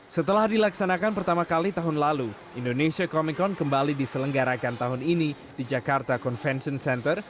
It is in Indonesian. setelah dilaksanakan pertama kali tahun lalu indonesia comicron kembali diselenggarakan tahun ini di jakarta convention center